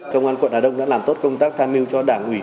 công an quận hà đông đã làm tốt công tác tham mưu cho đảng ủy